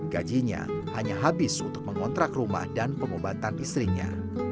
gajinya hanya habis untuk mengontrak rumah dan pengobatan istrinya